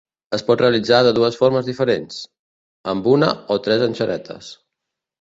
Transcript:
Es pot realitzar de dues formes diferents: amb una o tres enxanetes.